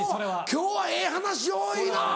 今日はええ話多いな！